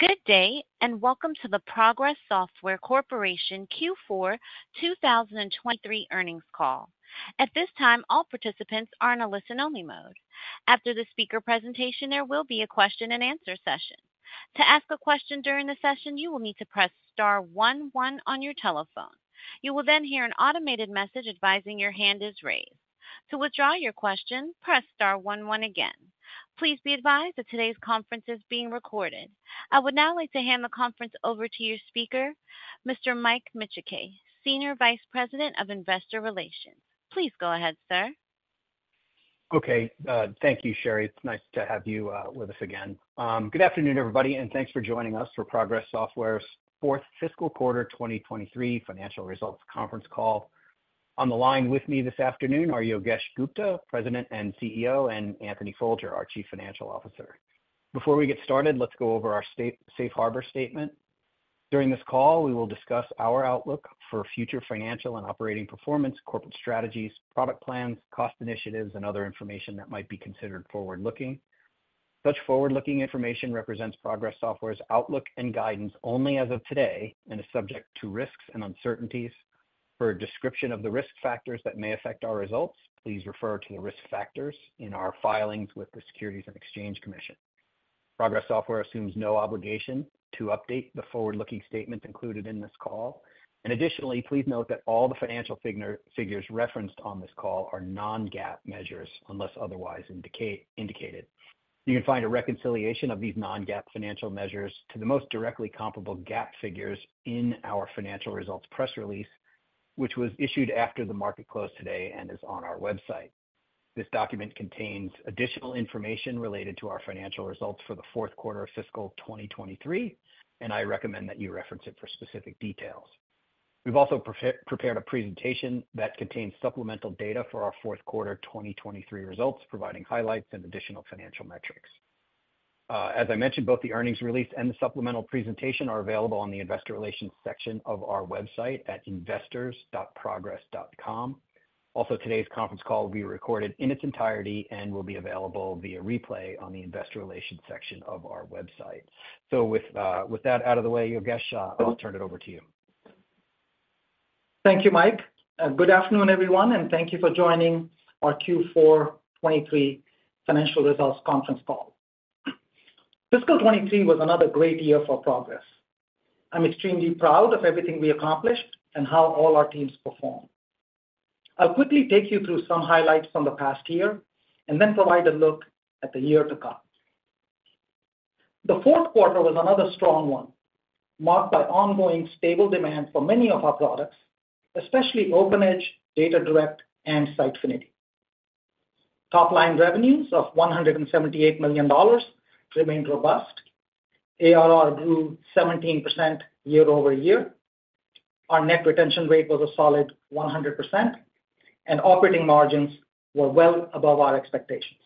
Good day, and welcome to the Progress Software Corporation Q4 2023 earnings call. At this time, all participants are in a listen-only mode. After the speaker presentation, there will be a question and answer session. To ask a question during the session, you will need to press star one one on your telephone. You will then hear an automated message advising your hand is raised. To withdraw your question, press star one one again. Please be advised that today's conference is being recorded. I would now like to hand the conference over to your speaker, Mr. Mike Micciche, Senior Vice President of Investor Relations. Please go ahead, sir. Okay. Thank you, Sherry. It's nice to have you with us again. Good afternoon, everybody, and thanks for joining us for Progress Software's fourth fiscal quarter 2023 financial results conference call. On the line with me this afternoon are Yogesh Gupta, President and CEO, and Anthony Folger, our Chief Financial Officer. Before we get started, let's go over our safe harbor statement. During this call, we will discuss our outlook for future financial and operating performance, corporate strategies, product plans, cost initiatives, and other information that might be considered forward-looking. Such forward-looking information represents Progress Software's outlook and guidance only as of today and is subject to risks and uncertainties. For a description of the risk factors that may affect our results, please refer to the risk factors in our filings with the Securities and Exchange Commission. Progress Software assumes no obligation to update the forward-looking statements included in this call. Additionally, please note that all the financial figures referenced on this call are non-GAAP measures unless otherwise indicated. You can find a reconciliation of these non-GAAP financial measures to the most directly comparable GAAP figures in our financial results press release, which was issued after the market closed today and is on our website. This document contains additional information related to our financial results for the fourth quarter of fiscal 2023, and I recommend that you reference it for specific details. We've also prepared a presentation that contains supplemental data for our fourth quarter 2023 results, providing highlights and additional financial metrics. As I mentioned, both the earnings release and the supplemental presentation are available on the investor relations section of our website at investors.progress.com. Also, today's conference call will be recorded in its entirety and will be available via replay on the investor relations section of our website. So with that out of the way, Yogesh, I'll turn it over to you. Thank you, Mike, and good afternoon, everyone, and thank you for joining our Q4 2023 financial results conference call. Fiscal 2023 was another great year for Progress. I'm extremely proud of everything we accomplished and how all our teams performed. I'll quickly take you through some highlights from the past year and then provide a look at the year to come. The fourth quarter was another strong one, marked by ongoing stable demand for many of our products, especially OpenEdge, DataDirect, and Sitefinity. Top-line revenues of $178 million remained robust. ARR grew 17% year-over-year. Our net retention rate was a solid 100%, and operating margins were well above our expectations.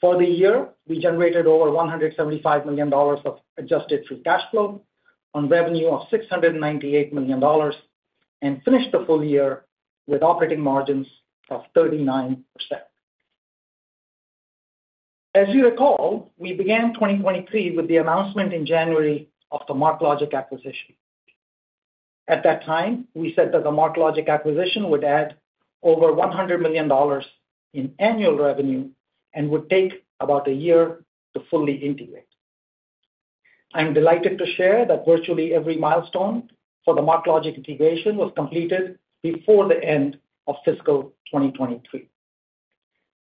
For the year, we generated over $175 million of adjusted free cash flow on revenue of $698 million and finished the full-year with operating margins of 39%. As you recall, we began 2023 with the announcement in January of the MarkLogic acquisition. At that time, we said that the MarkLogic acquisition would add over $100 million in annual revenue and would take about a year to fully integrate. I'm delighted to share that virtually every milestone for the MarkLogic integration was completed before the end of fiscal 2023.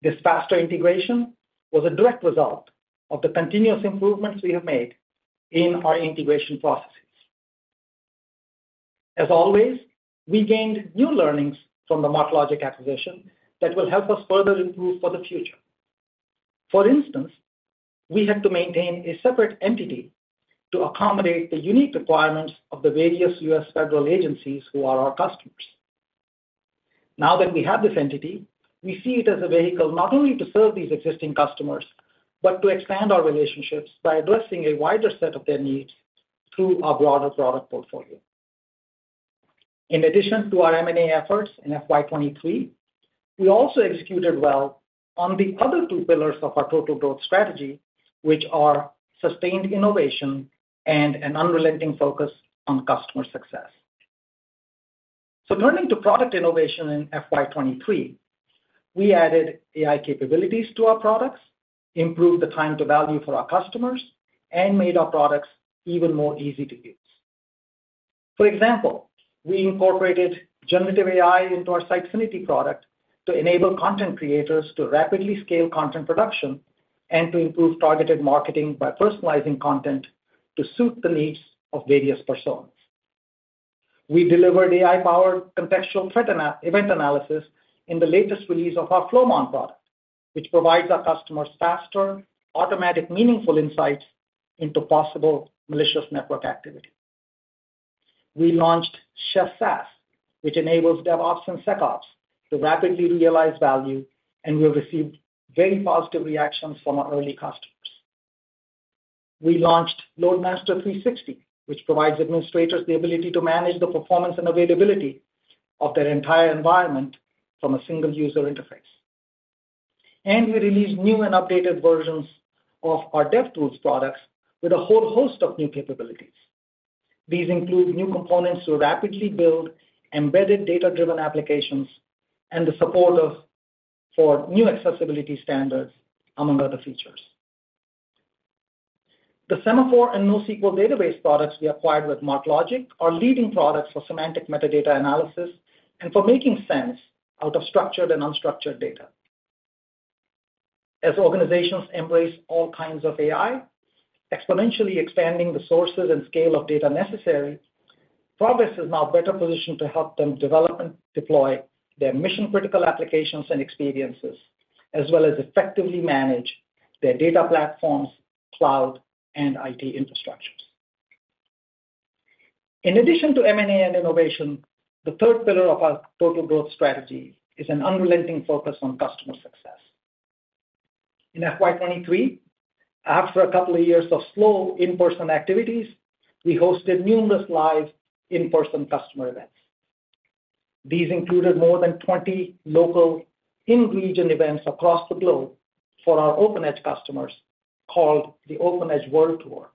This faster integration was a direct result of the continuous improvements we have made in our integration processes. As always, we gained new learnings from the MarkLogic acquisition that will help us further improve for the future. For instance, we had to maintain a separate entity to accommodate the unique requirements of the various U.S. federal agencies who are our customers. Now that we have this entity, we see it as a vehicle not only to serve these existing customers, but to expand our relationships by addressing a wider set of their needs through our broader product portfolio. In addition to our M&A efforts in FY 2023, we also executed well on the other two pillars of our total growth strategy, which are sustained innovation and an unrelenting focus on customer success. Turning to product innovation in FY 2023, we added AI capabilities to our products, improved the time to value for our customers, and made our products even more easy to use. For example, we incorporated Generative AI into our Sitefinity product to enable content creators to rapidly scale content production and to improve targeted marketing by personalizing content to suit the needs of various personas. We delivered AI-powered contextual threat and event analysis in the latest release of our Flowmon product, which provides our customers faster, automatic, meaningful insights into possible malicious network activity. We launched Chef SaaS, which enables DevOps and SecOps to rapidly realize value, and we have received very positive reactions from our early customers. We launched LoadMaster 360, which provides administrators the ability to manage the performance and availability of their entire environment from a single user interface. We released new and updated versions of our DevTools products with a whole host of new capabilities. These include new components to rapidly build embedded data-driven applications and the support for new accessibility standards, among other features. The Semaphore and NoSQL database products we acquired with MarkLogic are leading products for semantic metadata analysis and for making sense out of structured and unstructured data. As organizations embrace all kinds of AI, exponentially expanding the sources and scale of data necessary, Progress is now better positioned to help them develop and deploy their mission-critical applications and experiences, as well as effectively manage their data platforms, cloud, and IT infrastructures. In addition to M&A and innovation, the third pillar of our total growth strategy is an unrelenting focus on customer success. In FY 2023, after a couple of years of slow in-person activities, we hosted numerous live in-person customer events. These included more than 20 local in-region events across the globe for our OpenEdge customers, called the OpenEdge World Tour,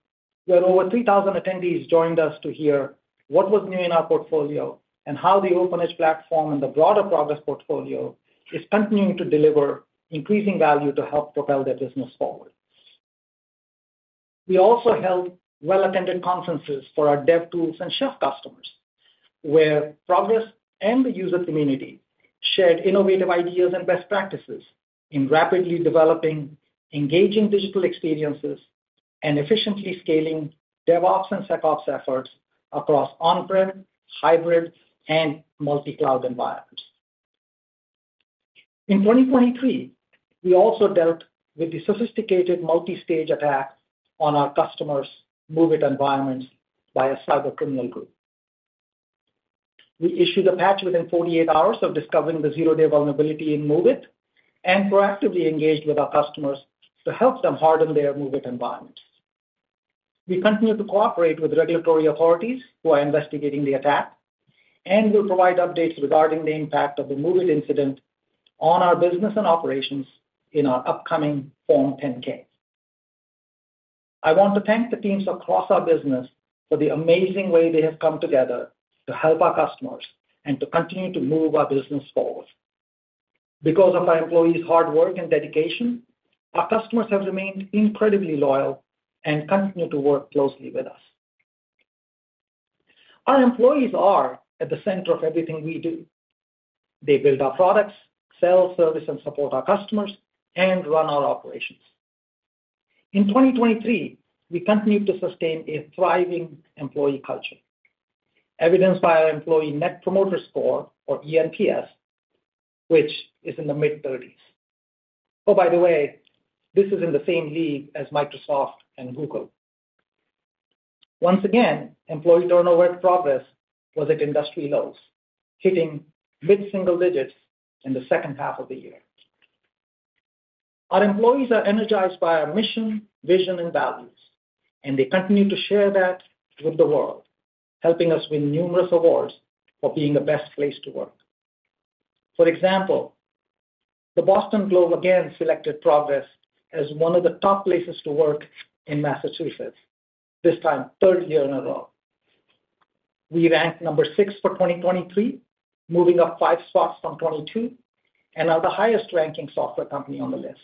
where over 3,000 attendees joined us to hear what was new in our portfolio and how the OpenEdge platform and the broader Progress portfolio is continuing to deliver increasing value to help propel their business forward. We also held well-attended conferences for our DevTools and Chef customers, where Progress and the user community shared innovative ideas and best practices in rapidly developing, engaging digital experiences, and efficiently scaling DevOps and SecOps efforts across on-prem, hybrid, and multi-cloud environments. In 2023, we also dealt with the sophisticated multi-stage attack on our customers' MOVEit environments by a cybercriminal group. We issued a patch within 48 hours of discovering the zero-day vulnerability in MOVEit, and proactively engaged with our customers to help them harden their MOVEit environment. We continue to cooperate with regulatory authorities who are investigating the attack, and we'll provide updates regarding the impact of the MOVEit incident on our business and operations in our upcoming Form 10-K. I want to thank the teams across our business for the amazing way they have come together to help our customers and to continue to move our business forward. Because of our employees' hard work and dedication, our customers have remained incredibly loyal and continue to work closely with us. Our employees are at the center of everything we do. They build our products, sell, service, and support our customers, and run our operations. In 2023, we continued to sustain a thriving employee culture, evidenced by our Employee Net Promoter Score, or eNPS, which is in the mid-30s. Oh, by the way, this is in the same league as Microsoft and Google. Once again, employee turnover at Progress was at industry lows, hitting mid-single digits in the second half of the year. Our employees are energized by our mission, vision, and values, and they continue to share that with the world, helping us win numerous awards for being the best place to work. For example, the Boston Globe again selected Progress as one of the top places to work in Massachusetts, this time, third year in a row. We ranked number six for 2023, moving up five spots from 2022, and are the highest-ranking software company on the list.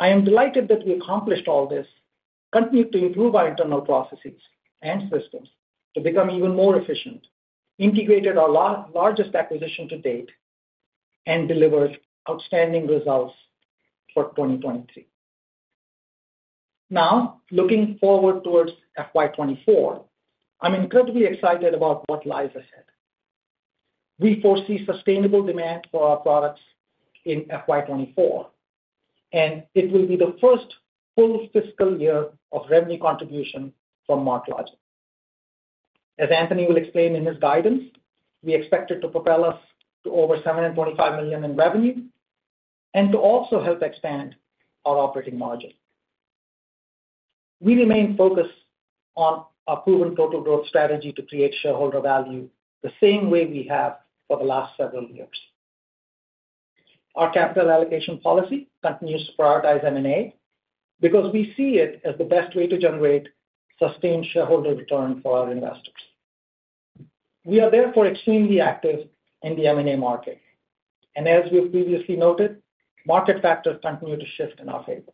I am delighted that we accomplished all this, continued to improve our internal processes and systems to become even more efficient, integrated our largest acquisition to date, and delivered outstanding results for 2023. Now, looking forward towards FY 2024, I'm incredibly excited about what lies ahead. We foresee sustainable demand for our products in FY 2024, and it will be the first full fiscal year of revenue contribution from MarkLogic. As Anthony will explain in his guidance, we expect it to propel us to over $725 million in revenue and to also help expand our operating margin. We remain focused on our proven total growth strategy to create shareholder value, the same way we have for the last several years. Our capital allocation policy continues to prioritize M&A because we see it as the best way to generate sustained shareholder return for our investors. We are therefore extremely active in the M&A market, and as we have previously noted, market factors continue to shift in our favor.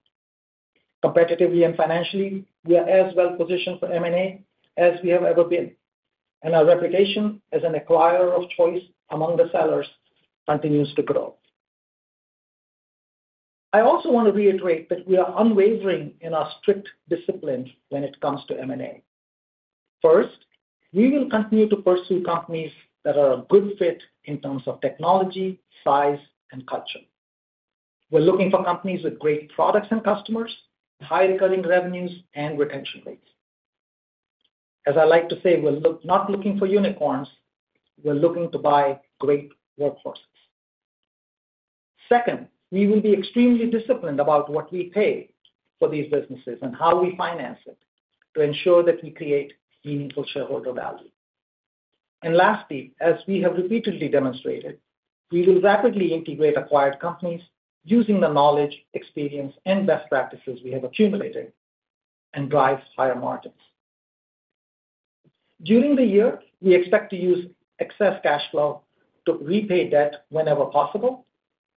Competitively and financially, we are as well positioned for M&A as we have ever been, and our reputation as an acquirer of choice among the sellers continues to grow. I also want to reiterate that we are unwavering in our strict discipline when it comes to M&A. First, we will continue to pursue companies that are a good fit in terms of technology, size, and culture. We're looking for companies with great products and customers, and high recurring revenues and retention rates. As I like to say, we're not looking for unicorns, we're looking to buy great workforces. Second, we will be extremely disciplined about what we pay for these businesses and how we finance it, to ensure that we create meaningful shareholder value. And lastly, as we have repeatedly demonstrated, we will rapidly integrate acquired companies using the knowledge, experience, and best practices we have accumulated and drive higher margins. During the year, we expect to use excess cash flow to repay debt whenever possible,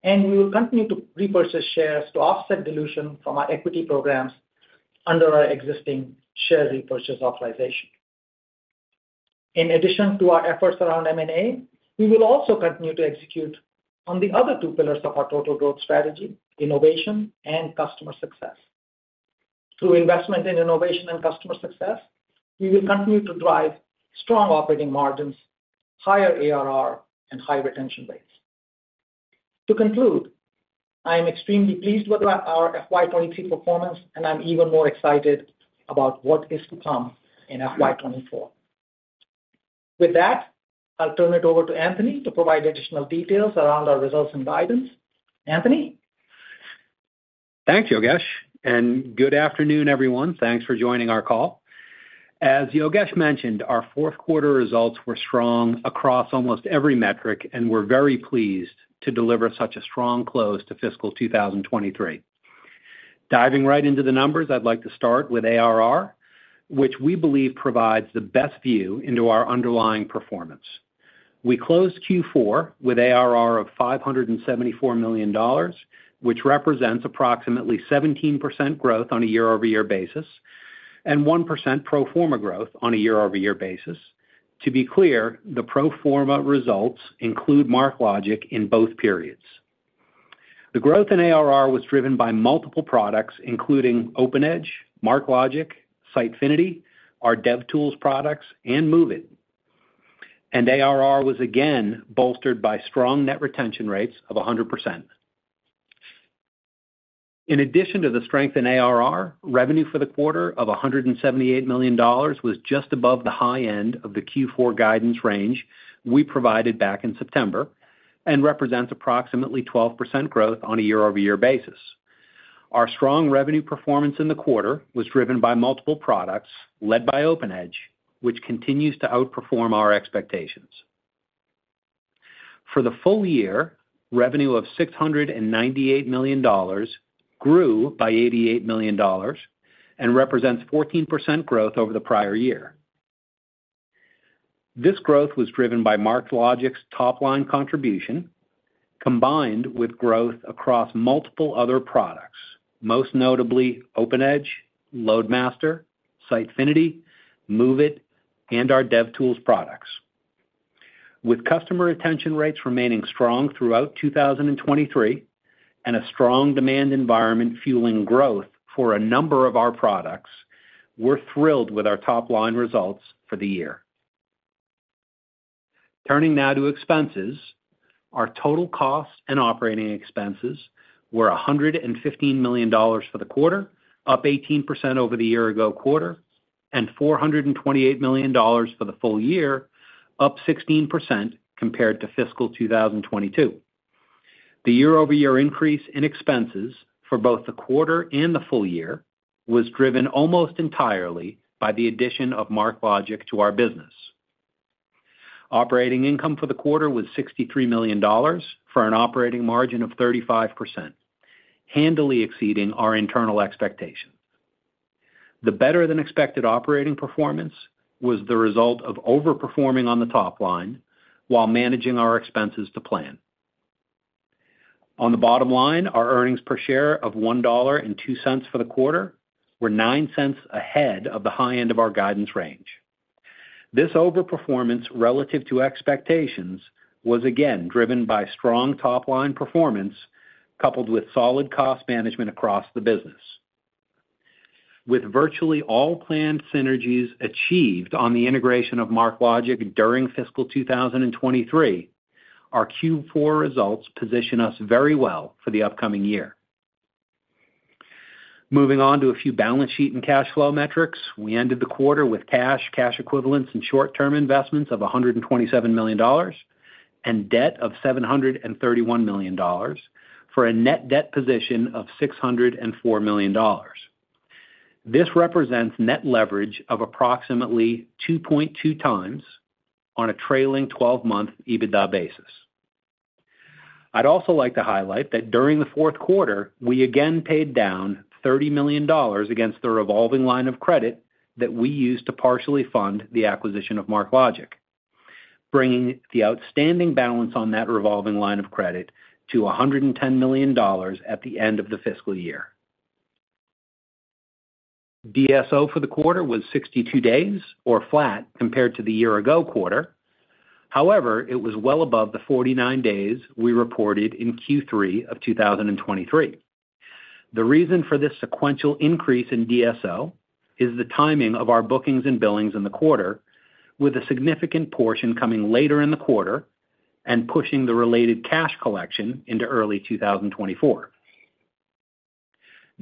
and we will continue to repurchase shares to offset dilution from our equity programs under our existing share repurchase authorization. In addition to our efforts around M&A, we will also continue to execute on the other two pillars of our total growth strategy, innovation and customer success. Through investment in innovation and customer success, we will continue to drive strong operating margins, higher ARR, and high retention rates. To conclude, I am extremely pleased with our FY 2023 performance, and I'm even more excited about what is to come in FY 2024. With that, I'll turn it over to Anthony to provide additional details around our results and guidance. Anthony? Thanks, Yogesh, and good afternoon, everyone. Thanks for joining our call. As Yogesh mentioned, our fourth quarter results were strong across almost every metric, and we're very pleased to deliver such a strong close to fiscal 2023. Diving right into the numbers, I'd like to start with ARR, which we believe provides the best view into our underlying performance. We closed Q4 with ARR of $574 million, which represents approximately 17% growth on a year-over-year basis and 1% pro forma growth on a year-over-year basis. To be clear, the pro forma results include MarkLogic in both periods. The growth in ARR was driven by multiple products, including OpenEdge, MarkLogic, Sitefinity, our DevTools products, and MOVEit. And ARR was again bolstered by strong net retention rates of 100%. In addition to the strength in ARR, revenue for the quarter of $178 million was just above the high end of the Q4 guidance range we provided back in September and represents approximately 12% growth on a year-over-year basis. Our strong revenue performance in the quarter was driven by multiple products, led by OpenEdge, which continues to outperform our expectations. For the full-year, revenue of $698 million grew by $88 million and represents 14% growth over the prior year. This growth was driven by MarkLogic's top-line contribution, combined with growth across multiple other products, most notably OpenEdge, LoadMaster, Sitefinity, MOVEit, and our DevTools products. With customer retention rates remaining strong throughout 2023, and a strong demand environment fueling growth for a number of our products, we're thrilled with our top-line results for the year. Turning now to expenses. Our total costs and operating expenses were $115 million for the quarter, up 18% over the year-ago quarter, and $428 million for the full-year, up 16% compared to fiscal 2022. The year-over-year increase in expenses for both the quarter and the full-year was driven almost entirely by the addition of MarkLogic to our business. Operating income for the quarter was $63 million, for an operating margin of 35%, handily exceeding our internal expectations. The better-than-expected operating performance was the result of overperforming on the top line while managing our expenses to plan. On the bottom line, our earnings per share of $1.02 for the quarter were $0.09 ahead of the high end of our guidance range. This overperformance relative to expectations was again driven by strong top-line performance, coupled with solid cost management across the business. With virtually all planned synergies achieved on the integration of MarkLogic during fiscal 2023, our Q4 results position us very well for the upcoming year. Moving on to a few balance sheet and cash flow metrics. We ended the quarter with cash, cash equivalents, and short-term investments of $127 million, and debt of $731 million, for a net debt position of $604 million. This represents net leverage of approximately 2.2x on a trailing 12 month EBITDA basis. I'd also like to highlight that during the fourth quarter, we again paid down $30 million against the revolving line of credit that we used to partially fund the acquisition of MarkLogic, bringing the outstanding balance on that revolving line of credit to $110 million at the end of the fiscal year. DSO for the quarter was 62 days, or flat compared to the year-ago quarter. However, it was well above the 49 days we reported in Q3 of 2023. The reason for this sequential increase in DSO is the timing of our bookings and billings in the quarter, with a significant portion coming later in the quarter and pushing the related cash collection into early 2024.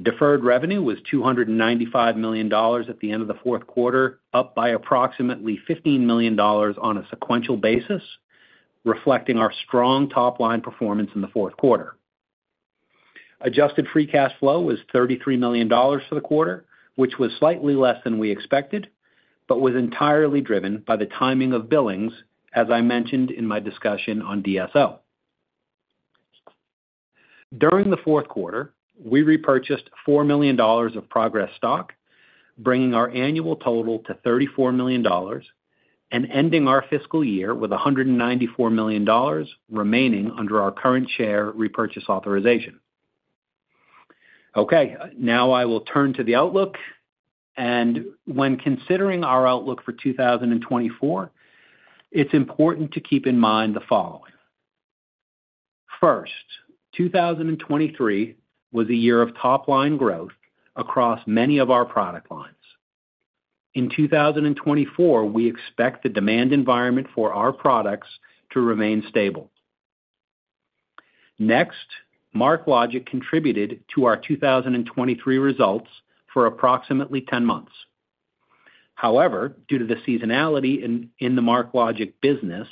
Deferred revenue was $295 million at the end of the fourth quarter, up by approximately $15 million on a sequential basis, reflecting our strong top-line performance in the fourth quarter. Adjusted free cash flow was $33 million for the quarter, which was slightly less than we expected, but was entirely driven by the timing of billings, as I mentioned in my discussion on DSO. During the fourth quarter, we repurchased $4 million of Progress stock, bringing our annual total to $34 million and ending our fiscal year with $194 million remaining under our current share repurchase authorization. Okay, now I will turn to the outlook. When considering our outlook for 2024, it's important to keep in mind the following: First, 2023 was a year of top line growth across many of our product lines. In 2024, we expect the demand environment for our products to remain stable. Next, MarkLogic contributed to our 2023 results for approximately 10 months. However, due to the seasonality in the MarkLogic business,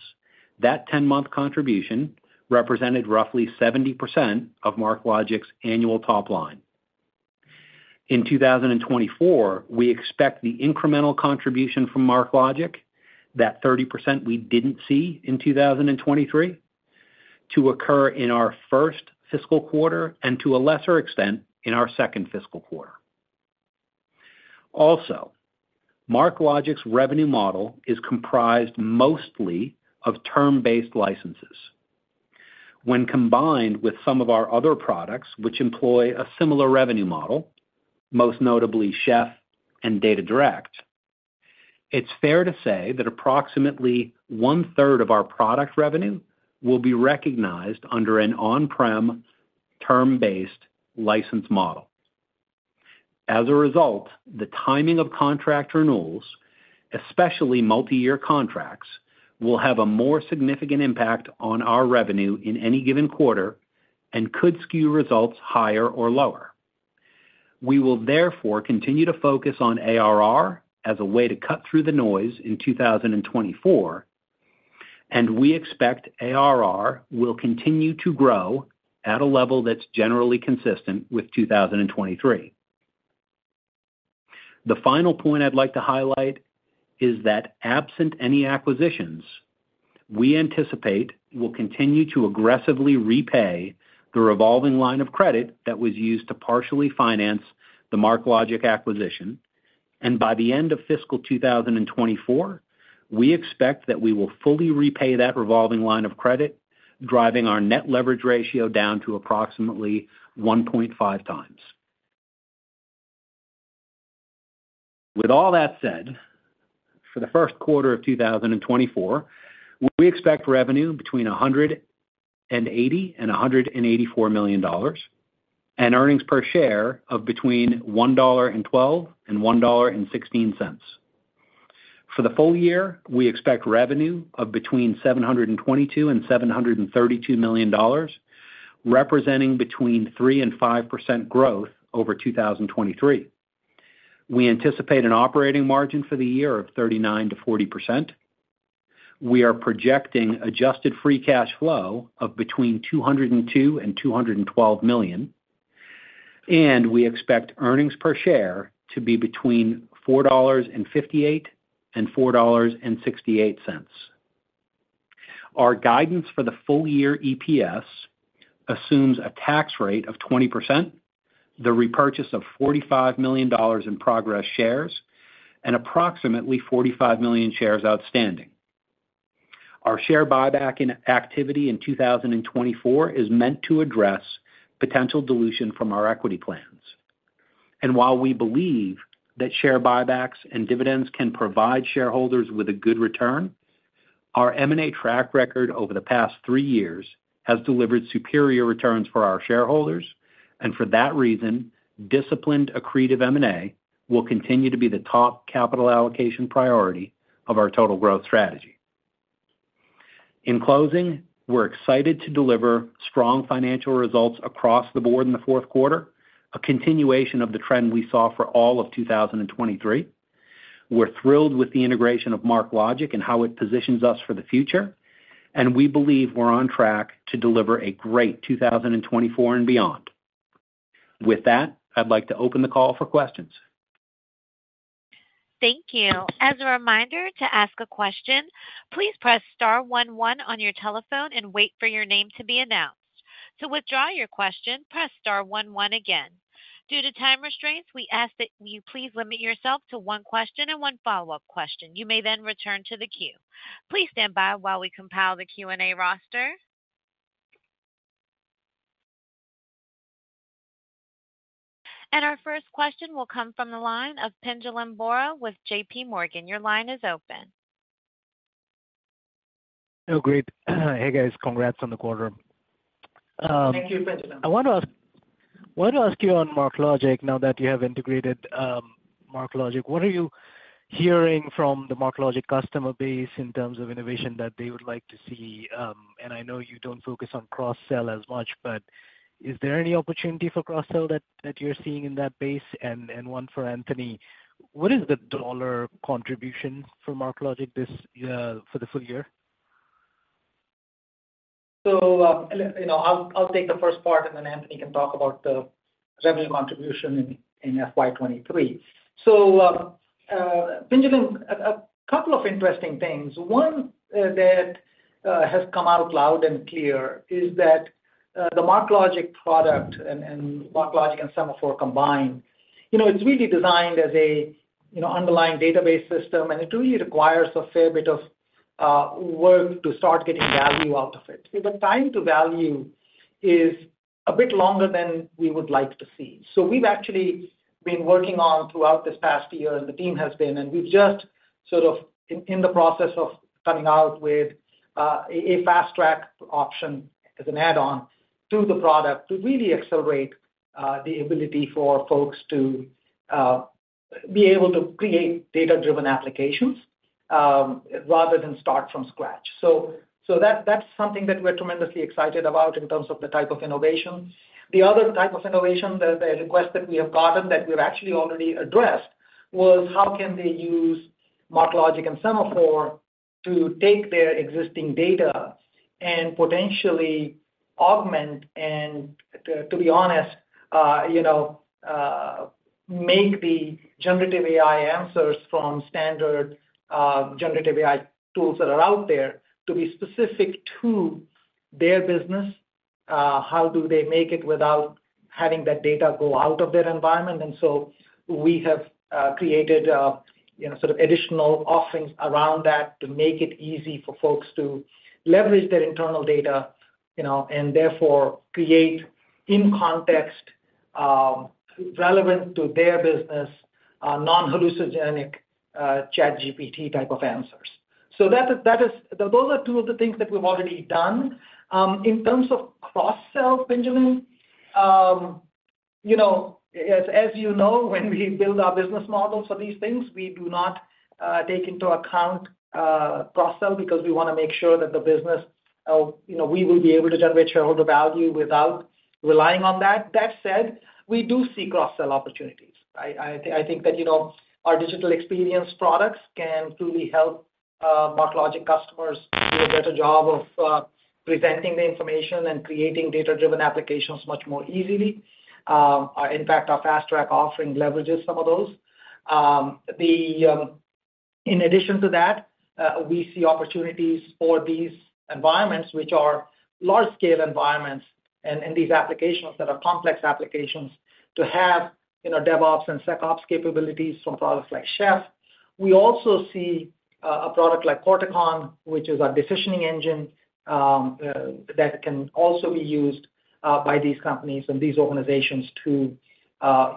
that 10-month contribution represented roughly 70% of MarkLogic's annual top line. In 2024, we expect the incremental contribution from MarkLogic, that 30% we didn't see in 2023, to occur in our first fiscal quarter and, to a lesser extent, in our second fiscal quarter. Also, MarkLogic's revenue model is comprised mostly of term-based licenses. When combined with some of our other products, which employ a similar revenue model, most notably Chef and DataDirect, it's fair to say that approximately 1/3 of our product revenue will be recognized under an on-prem, term-based license model. As a result, the timing of contract renewals, especially multiyear contracts, will have a more significant impact on our revenue in any given quarter and could skew results higher or lower. We will therefore continue to focus on ARR as a way to cut through the noise in 2024, and we expect ARR will continue to grow at a level that's generally consistent with 2023. The final point I'd like to highlight is that absent any acquisitions, we anticipate we'll continue to aggressively repay the revolving line of credit that was used to partially finance the MarkLogic acquisition. By the end of fiscal 2024, we expect that we will fully repay that revolving line of credit, driving our net leverage ratio down to approximately 1.5x. With all that said, for the first quarter of 2024, we expect revenue between $180 million-$184 million, and earnings per share of between $1.12 and $1.16. For the full-year, we expect revenue of between $722 million-$732 million, representing between 3%-5% growth over 2023. We anticipate an operating margin for the year of 39%-40%. We are projecting adjusted free cash flow of between $202 million and $212 million, and we expect earnings per share to be between $4.58 and $4.68. Our guidance for the full-year EPS assumes a tax rate of 20%, the repurchase of $45 million in Progress shares, and approximately 45 million shares outstanding. Our share buyback activity in 2024 is meant to address potential dilution from our equity plans. While we believe that share buybacks and dividends can provide shareholders with a good return, our M&A track record over the past three years has delivered superior returns for our shareholders, and for that reason, disciplined, accretive M&A will continue to be the top capital allocation priority of our total growth strategy. In closing, we're excited to deliver strong financial results across the board in the fourth quarter, a continuation of the trend we saw for all of 2023. We're thrilled with the integration of MarkLogic and how it positions us for the future, and we believe we're on track to deliver a great 2024 and beyond. With that, I'd like to open the call for questions. Thank you. As a reminder to ask a question, please press star one one on your telephone and wait for your name to be announced. To withdraw your question, press star one one again. Due to time restraints, we ask that you please limit yourself to one question and one follow-up question. You may then return to the queue. Please stand by while we compile the Q&A roster. Our first question will come from the line of Pinjalim Bora with JPMorgan. Your line is open. Oh, great. Hey, guys, congrats on the quarter. Thank you, Pinjalim. I want to ask you on MarkLogic. Now that you have integrated MarkLogic, what are you hearing from the MarkLogic customer base in terms of innovation that they would like to see? And I know you don't focus on cross-sell as much, but is there any opportunity for cross-sell that you're seeing in that base? And one for Anthony, what is the dollar contribution from MarkLogic this for the full-year? So, you know, I'll take the first part, and then Anthony can talk about the revenue contribution in FY 2023. So, Pinjalim, a couple of interesting things. One, that has come out loud and clear is that the MarkLogic product and MarkLogic and Semaphore combined, you know, it's really designed as a underlying database system, and it really requires a fair bit of work to start getting value out of it. The time to value is a bit longer than we would like to see. So we've actually been working on throughout this past year, and the team has been, and we've just sort of in the process of coming out with a FastTrack option as an add-on to the product to really accelerate the ability for folks to be able to create data-driven applications, rather than start from scratch. So that's something that we're tremendously excited about in terms of the type of innovation. The other type of innovation, the request that we have gotten, that we've actually already addressed, was how can they use MarkLogic and Semaphore to take their existing data and potentially augment, and to be honest, you know, make the generative AI answers from standard generative AI tools that are out there to be specific to their business? How do they make it without having that data go out of their environment? And so we have created, you know, sort of additional offerings around that to make it easy for folks to leverage their internal data, you know, and therefore create in context, relevant to their business, non-hallucinogenic, ChatGPT type of answers. So that is, those are two of the things that we've already done. In terms of cross-sell, Pinjalim, you know, as you know, when we build our business models for these things, we do not take into account cross-sell because we wanna make sure that the business, you know, we will be able to generate shareholder value without relying on that. That said, we do see cross-sell opportunities, right? I, I think that, you know, our digital experience products can truly help, MarkLogic customers do a better job of, presenting the information and creating data-driven applications much more easily. In fact, our fast track offering leverages some of those. In addition to that, we see opportunities for these environments, which are large scale environments and, and these applications that are complex applications to have, you know, DevOps and SecOps capabilities from products like Chef. We also see, a product like Corticon, which is a decisioning engine, that can also be used, by these companies and these organizations to,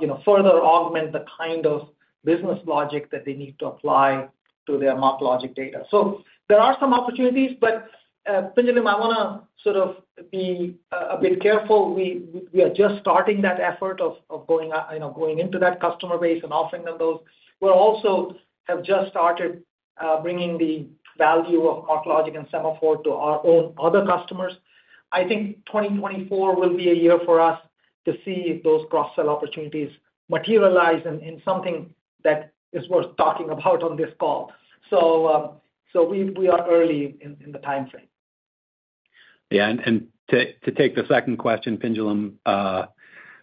you know, further augment the kind of business logic that they need to apply to their MarkLogic data. So there are some opportunities, but, Pinjalim, I wanna sort of be, a bit careful. We are just starting that effort of going out, you know, going into that customer base and offering them those. We're also have just started bringing the value of MarkLogic and Semaphore to our own other customers. I think 2024 will be a year for us to see if those cross-sell opportunities materialize in something that is worth talking about on this call. So, we are early in the timeframe. Yeah, and to take the second question, Pinjalim,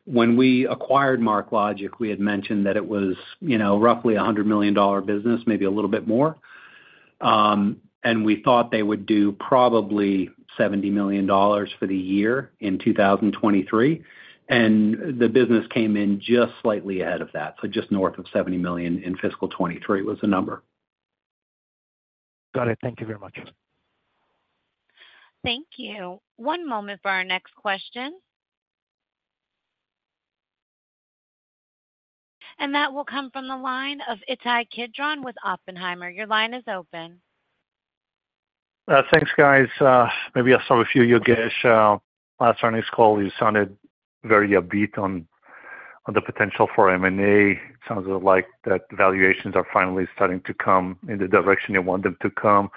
when we acquired MarkLogic, we had mentioned that it was, you know, roughly a $100 million business, maybe a little bit more. And we thought they would do probably $70 million for the year in 2023, and the business came in just slightly ahead of that. So just north of $70 million in fiscal 2023 was the number. Got it. Thank you very much. Thank you. One moment for our next question. That will come from the line of Ittai Kidron with Oppenheimer. Your line is open. Thanks, guys. Maybe I'll start with you, Yogesh. Last earnings call, you sounded very upbeat on the potential for M&A. Sounds like that valuations are finally starting to come in the direction you want them to come.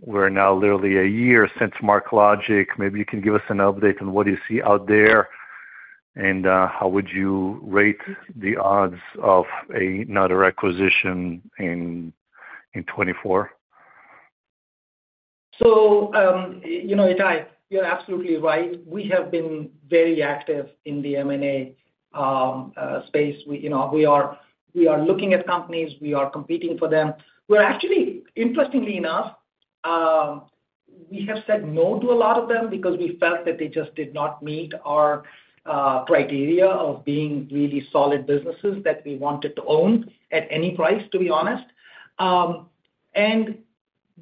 We're now literally a year since MarkLogic. Maybe you can give us an update on what you see out there, and how would you rate the odds of another acquisition in 2024? So, you know, Ittai, you're absolutely right. We have been very active in the M&A space. We, you know, we are looking at companies. We are competing for them. We're actually... interestingly enough, we have said no to a lot of them because we felt that they just did not meet our criteria of being really solid businesses that we wanted to own at any price, to be honest. And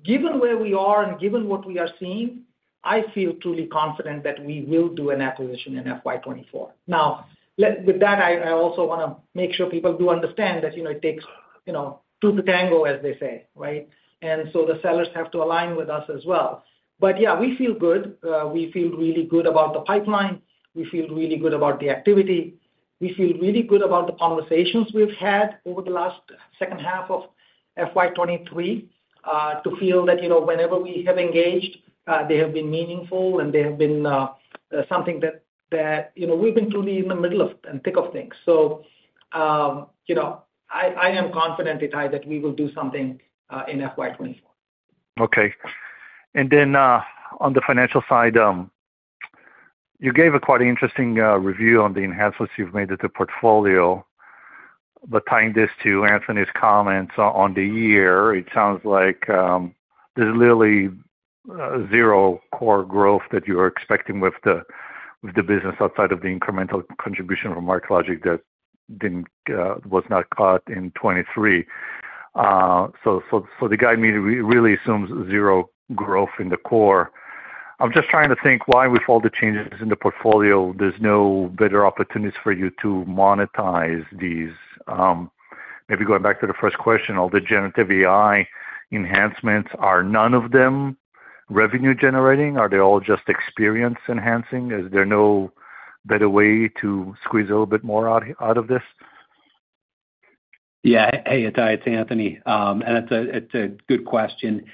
given where we are and given what we are seeing, I feel truly confident that we will do an acquisition in FY 2024. Now, with that, I also wanna make sure people do understand that, you know, it takes, you know, two to tango, as they say, right? And so the sellers have to align with us as well. But yeah, we feel good. We feel really good about the pipeline. We feel really good about the activity. We feel really good about the conversations we've had over the last second half of FY 2023, to feel that, you know, whenever we have engaged, they have been meaningful and they have been something that, you know, we've been truly in the middle of and thick of things. So, you know, I am confident, Ittai, that we will do something in FY 2024. Okay. And then, on the financial side, you gave a quite interesting review on the enhancements you've made to the portfolio. But tying this to Anthony's comments on the year, it sounds like there's literally zero core growth that you are expecting with the business outside of the incremental contribution from MarkLogic that was not caught in 2023. So the guidance really assumes zero growth in the core. I'm just trying to think why, with all the changes in the portfolio, there's no better opportunities for you to monetize these. Maybe going back to the first question, all the generative AI enhancements, are none of them revenue generating? Are they all just experience enhancing? Is there no better way to squeeze a little bit more out of this? Yeah. Hey, Ittai, it's Anthony. And it's a good question.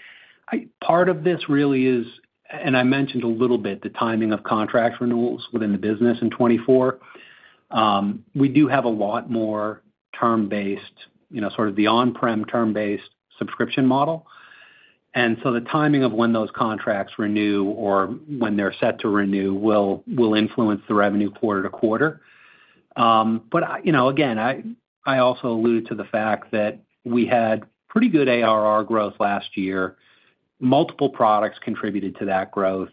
Part of this really is, and I mentioned a little bit, the timing of contract renewals within the business in 2024. We do have a lot more term-based, you know, sort of the on-prem term-based subscription model. And so the timing of when those contracts renew or when they're set to renew will, will influence the revenue quarter to quarter. But, you know, again, I also allude to the fact that we had pretty good ARR growth last year. Multiple products contributed to that growth,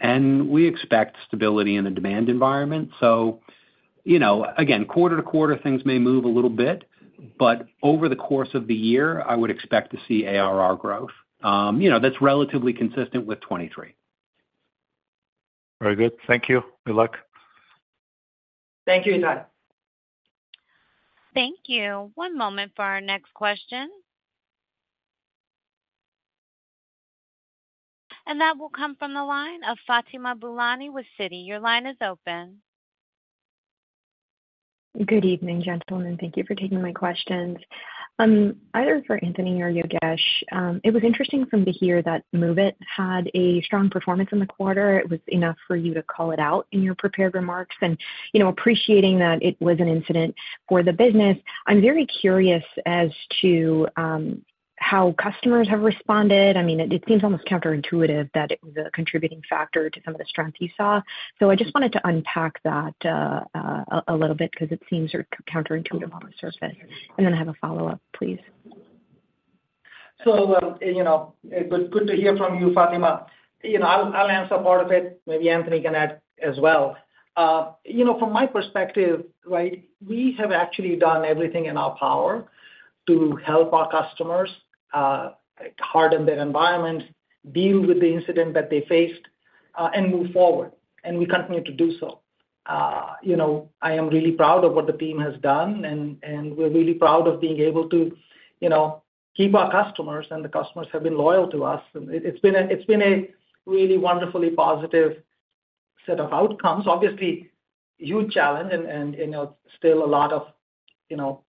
and we expect stability in the demand environment. So, you know, again, quarter to quarter, things may move a little bit, but over the course of the year, I would expect to see ARR growth. You know, that's relatively consistent with 2023. Very good. Thank you. Good luck. Thank you, Ittai. Thank you. One moment for our next question. That will come from the line of Fatima Boolani with Citi. Your line is open. Good evening, gentlemen. Thank you for taking my questions. Either for Anthony or Yogesh, it was interesting for me to hear that MOVEit had a strong performance in the quarter. It was enough for you to call it out in your prepared remarks. And, you know, appreciating that it was an incident for the business, I'm very curious as to how customers have responded. I mean, it seems almost counterintuitive that it was a contributing factor to some of the strength you saw. So I just wanted to unpack that a little bit because it seems sort of counterintuitive on the surface. And then I have a follow-up, please. So, you know, it was good to hear from you, Fatima. You know, I'll, I'll answer part of it. Maybe Anthony can add as well. You know, from my perspective, right, we have actually done everything in our power to help our customers, harden their environment, deal with the incident that they faced, and move forward, and we continue to do so. You know, I am really proud of what the team has done, and, and we're really proud of being able to, you know, keep our customers, and the customers have been loyal to us. And it's been a, it's been a really wonderfully positive set of outcomes. Obviously, huge challenge and, and, you know, still a lot of, you know,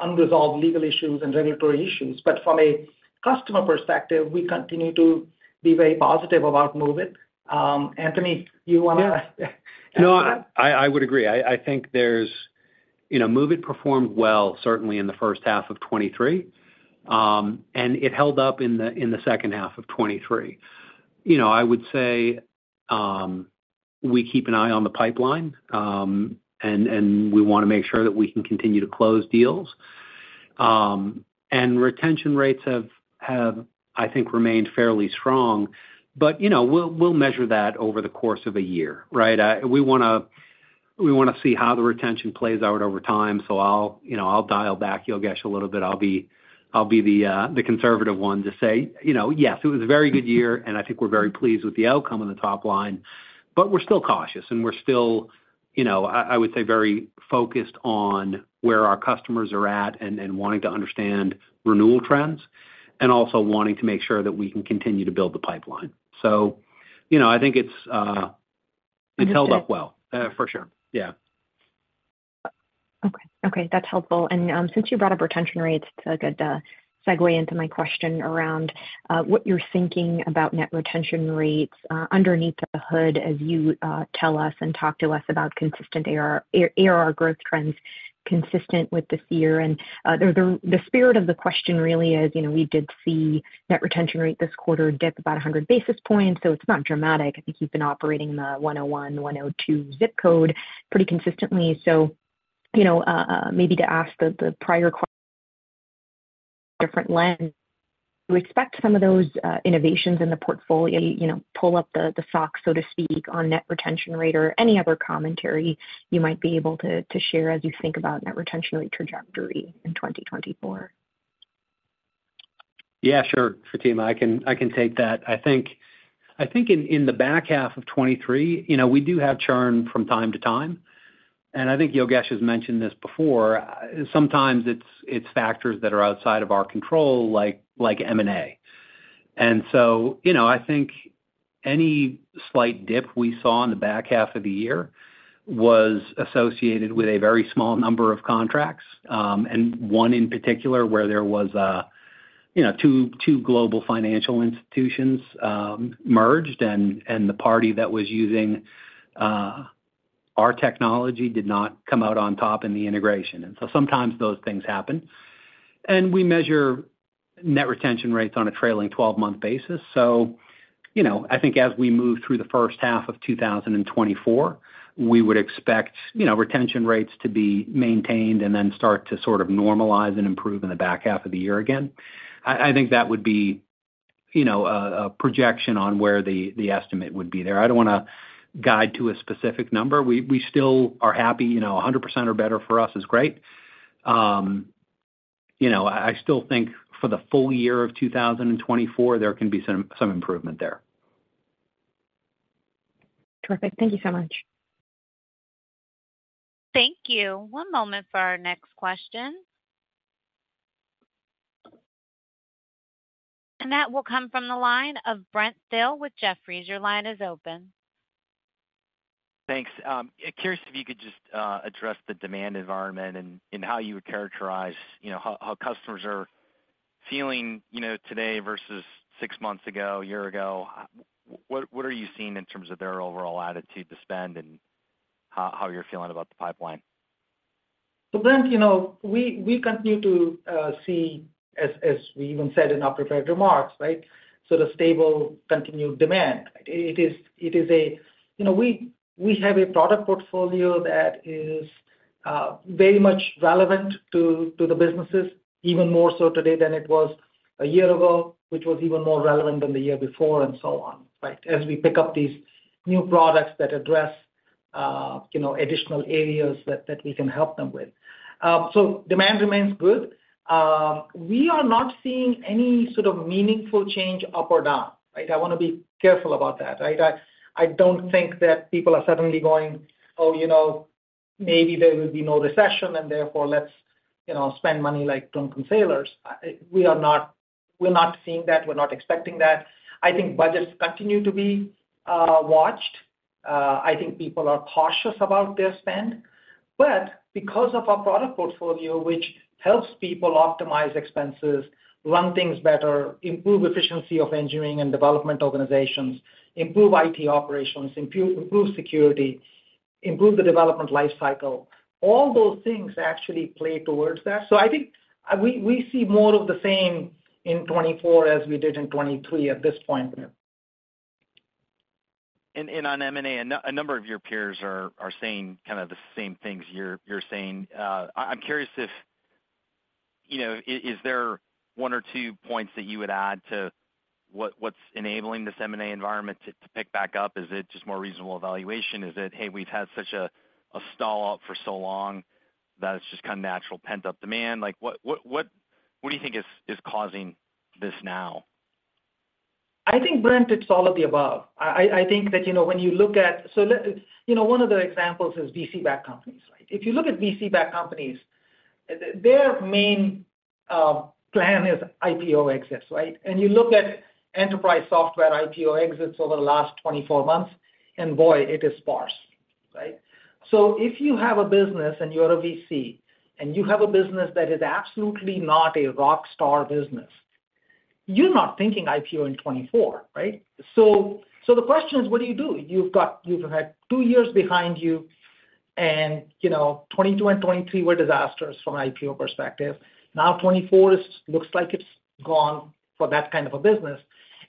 unresolved legal issues and regulatory issues. But from a customer perspective, we continue to be very positive about MOVEit. Anthony, you wanna? Yeah. No, I would agree. I think there's, You know, MOVEit performed well, certainly in the first half of 2023, and it held up in the second half of 2023. You know, I would say, we keep an eye on the pipeline, and we wanna make sure that we can continue to close deals. And retention rates have, I think, remained fairly strong. But, you know, we'll measure that over the course of a year, right? We wanna see how the retention plays out over time. So I'll, you know, I'll dial back, Yogesh, a little bit. I'll be the conservative one to say, you know, yes, it was a very good year, and I think we're very pleased with the outcome on the top line, but we're still cautious, and we're still, you know, I would say, very focused on where our customers are at and wanting to understand renewal trends, and also wanting to make sure that we can continue to build the pipeline. So, you know, I think it's held up well. For sure. Yeah. Okay. Okay, that's helpful. And since you brought up retention rates, it's a good segue into my question around what you're thinking about net retention rates underneath the hood, as you tell us and talk to us about consistent ARR growth trends consistent with this year. And the spirit of the question really is, you know, we did see net retention rate this quarter dip about 100 basis points, so it's not dramatic. I think you've been operating in the 101, 102 zip code pretty consistently. So, you know, maybe to ask the prior question, different lens, you expect some of those innovations in the portfolio, you know, pull up the socks, so to speak, on Net Retention Rate or any other commentary you might be able to share as you think about Net Retention Rate trajectory in 2024? Yeah, sure, Fatima, I can take that. I think in the back half of 2023, you know, we do have churn from time to time, and I think Yogesh has mentioned this before. Sometimes it's factors that are outside of our control, like M&A. And so, you know, I think any slight dip we saw in the back half of the year was associated with a very small number of contracts, and one in particular, where there was. You know, two global financial institutions merged, and the party that was using our technology did not come out on top in the integration. And so sometimes those things happen. And we measure net retention rates on a trailing 12-month basis. So, you know, I think as we move through the first half of 2024, we would expect, you know, retention rates to be maintained and then start to sort of normalize and improve in the back half of the year again. I think that would be, you know, a projection on where the estimate would be there. I don't want to guide to a specific number. We still are happy, you know, 100% or better for us is great. You know, I still think for the full-year of 2024, there can be some improvement there. Perfect. Thank you so much. Thank you. One moment for our next question. That will come from the line of Brent Thill with Jefferies. Your line is open. Thanks. Curious if you could just address the demand environment and how you would characterize, you know, how customers are feeling, you know, today versus six months ago, a year ago. What are you seeing in terms of their overall attitude to spend and how you're feeling about the pipeline? So Brent, you know, we continue to see, as we even said in our prepared remarks, right, sort of stable, continued demand. It is a, You know, we have a product portfolio that is very much relevant to the businesses, even more so today than it was a year ago, which was even more relevant than the year before, and so on, right? As we pick up these new products that address, you know, additional areas that we can help them with. So demand remains good. We are not seeing any sort of meaningful change up or down, right? I want to be careful about that, right? I don't think that people are suddenly going, "Oh, you know, maybe there will be no recession, and therefore let's, you know, spend money like drunken sailors." We are not, we're not seeing that. We're not expecting that. I think budgets continue to be watched. I think people are cautious about their spend. But because of our product portfolio, which helps people optimize expenses, run things better, improve efficiency of engineering and development organizations, improve IT operations, improve security, improve the development life cycle, all those things actually play towards that. So I think we see more of the same in 2024 as we did in 2023 at this point. And on M&A, a number of your peers are saying kind of the same things you're saying. I'm curious if, you know, is there one or two points that you would add to what's enabling this M&A environment to pick back up? Is it just more reasonable valuations? Is it, hey, we've had such a stall out for so long that it's just kind of natural pent-up demand? Like, what do you think is causing this now? I think, Brent, it's all of the above. I think that, you know, when you look at. So you know, one of the examples is VC-backed companies, right? If you look at VC-backed companies, their main plan is IPO exits, right? And you look at enterprise software IPO exits over the last 24 months, and boy, it is sparse, right? So if you have a business and you're a VC, and you have a business that is absolutely not a rock star business, you're not thinking IPO in 2024, right? So, so the question is, what do you do? You've had two years behind you, and, you know, 2022 and 2023 were disasters from an IPO perspective. Now, 2024 looks like it's gone for that kind of a business.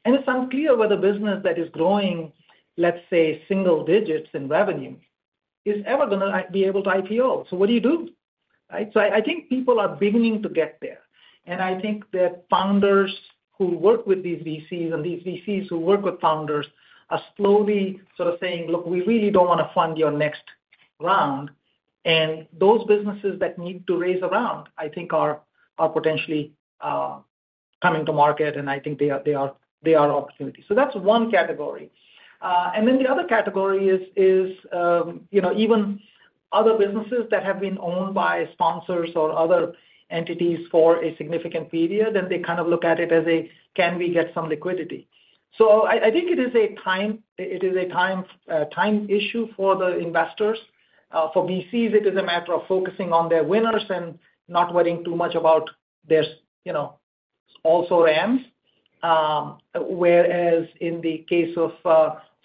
It's unclear whether a business that is growing, let's say, single digits in revenue is ever gonna be able to IPO. So what do you do? Right. So I think people are beginning to get there. And I think that founders who work with these VCs and these VCs who work with founders are slowly sort of saying: Look, we really don't want to fund your next round. And those businesses that need to raise a round, I think are potentially coming to market, and I think they are an opportunity. So that's one category. And then the other category is, you know, even other businesses that have been owned by sponsors or other entities for a significant period, and they kind of look at it as, "Can we get some liquidity?" So I think it is a time issue for the investors. For VCs, it is a matter of focusing on their winners and not worrying too much about their, you know, also-rans. Whereas in the case of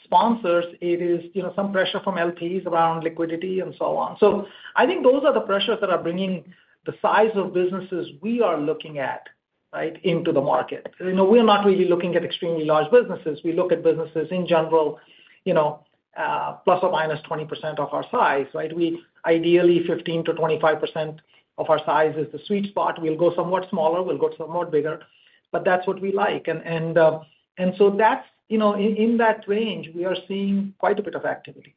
sponsors, it is, you know, some pressure from LPs around liquidity and so on. So I think those are the pressures that are bringing the size of businesses we are looking at, right, into the market. You know, we're not really looking at extremely large businesses. We look at businesses, in general, you know, ±20% of our size, right? We ideally, 15%-25% of our size is the sweet spot. We'll go somewhat smaller, we'll go somewhat bigger, but that's what we like. And so that's, you know, in that range, we are seeing quite a bit of activity.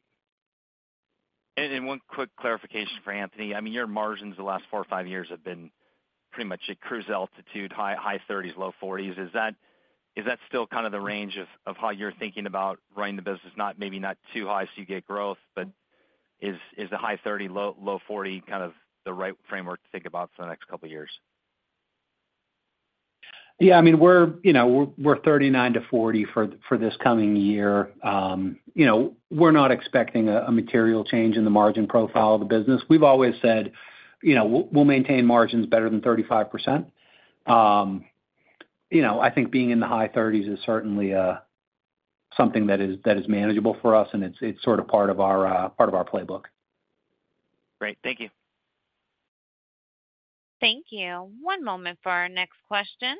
One quick clarification for Anthony. I mean, your margins the last four or five years have been pretty much at cruise altitude, high 30s-low 40s. Is that still kind of the range of how you're thinking about running the business? Not, maybe not too high, so you get growth, but is the high 30-low 40 kind of the right framework to think about for the next couple of years? Yeah, I mean, you know, we're 39%-40% for this coming year. You know, we're not expecting a material change in the margin profile of the business. We've always said, you know, we'll maintain margins better than 35%. You know, I think being in the high 30s is certainly something that is manageable for us, and it's sort of part of our playbook. Great. Thank you. Thank you. One moment for our next question.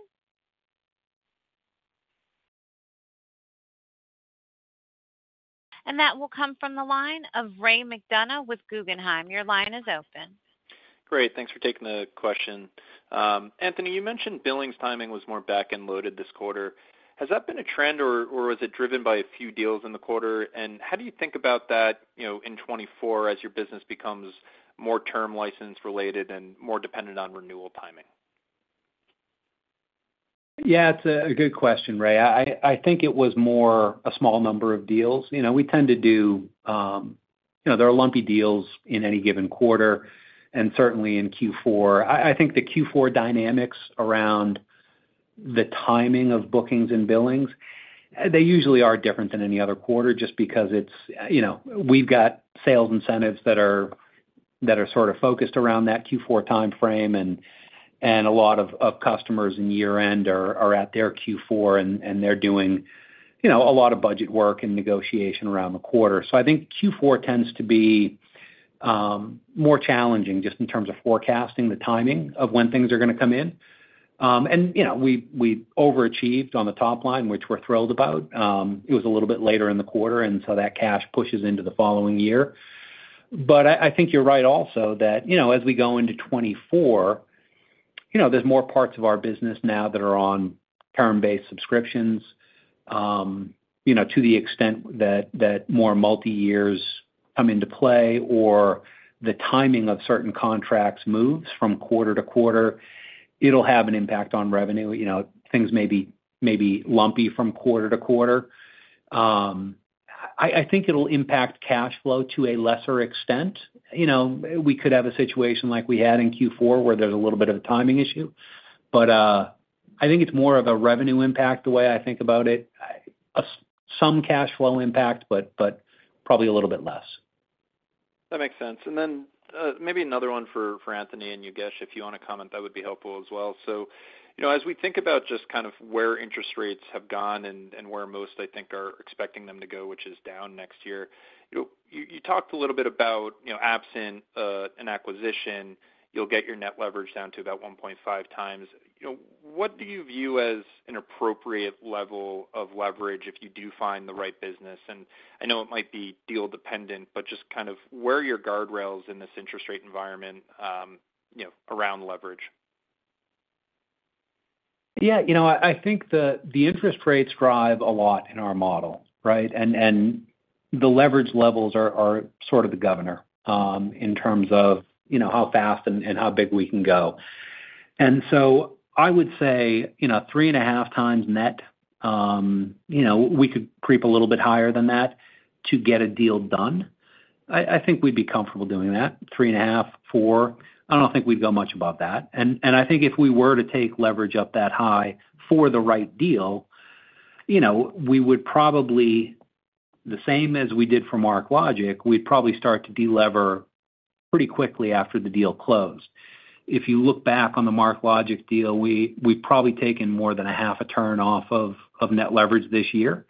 That will come from the line of Ray McDonough with Guggenheim. Your line is open. Great, thanks for taking the question. Anthony, you mentioned billings timing was more back-end loaded this quarter. Has that been a trend, or, or was it driven by a few deals in the quarter? And how do you think about that, you know, in 2024 as your business becomes more term license related and more dependent on renewal timing? Yeah, it's a good question, Ray. I think it was more a small number of deals. You know, we tend to do. You know, there are lumpy deals in any given quarter, and certainly in Q4. I think the Q4 dynamics around the timing of bookings and billings. They usually are different than any other quarter, just because it's, you know, we've got sales incentives that are sort of focused around that Q4 timeframe, and a lot of customers in year-end are at their Q4, and they're doing, you know, a lot of budget work and negotiation around the quarter. So I think Q4 tends to be more challenging, just in terms of forecasting the timing of when things are gonna come in. And, you know, we overachieved on the top line, which we're thrilled about. It was a little bit later in the quarter, and so that cash pushes into the following year. But I think you're right also that, you know, as we go into 2024, you know, there's more parts of our business now that are on term-based subscriptions. You know, to the extent that more multi-years come into play or the timing of certain contracts moves from quarter to quarter, it'll have an impact on revenue. You know, things may be lumpy from quarter to quarter. I think it'll impact cash flow to a lesser extent. You know, we could have a situation like we had in Q4, where there's a little bit of a timing issue, but I think it's more of a revenue impact, the way I think about it. Some cash flow impact, but probably a little bit less. That makes sense. And then, maybe another one for Anthony, and Yogesh, if you want to comment, that would be helpful as well. So, you know, as we think about just kind of where interest rates have gone and where most, I think, are expecting them to go, which is down next year, you know, you talked a little bit about, you know, absent an acquisition, you'll get your net leverage down to about 1.5x. You know, what do you view as an appropriate level of leverage if you do find the right business? And I know it might be deal dependent, but just kind of where are your guardrails in this interest rate environment, you know, around leverage? Yeah, you know, I think the interest rates drive a lot in our model, right? And the leverage levels are sort of the governor in terms of, you know, how fast and how big we can go. And so I would say, you know, 3.5x net, you know, we could creep a little bit higher than that to get a deal done. I think we'd be comfortable doing that, 3.5x, 4x, I don't think we'd go much above that. And I think if we were to take leverage up that high for the right deal, you know, we would probably, the same as we did for MarkLogic, we'd probably start to delever pretty quickly after the deal closed. If you look back on the MarkLogic deal, we've probably taken more than half a turn off of net leverage this year,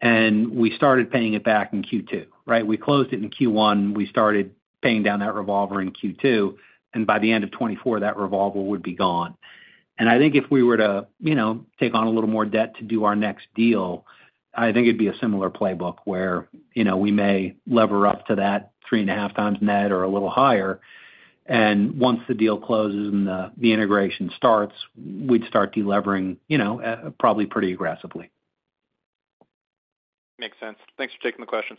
and we started paying it back in Q2, right? We closed it in Q1. We started paying down that revolver in Q2, and by the end of 2024, that revolver would be gone. I think if we were to, you know, take on a little more debt to do our next deal, I think it'd be a similar playbook, where, you know, we may lever up to that 3.5x net or a little higher, and once the deal closes and the integration starts, we'd start delevering, you know, probably pretty aggressively. Makes sense. Thanks for taking the questions.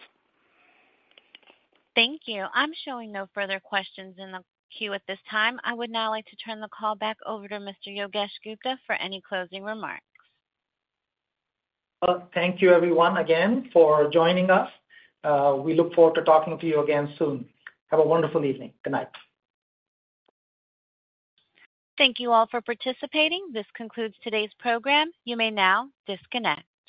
Thank you. I'm showing no further questions in the queue at this time. I would now like to turn the call back over to Mr. Yogesh Gupta for any closing remarks. Well, thank you everyone again for joining us. We look forward to talking to you again soon. Have a wonderful evening. Good night. Thank you all for participating. This concludes today's program. You may now disconnect.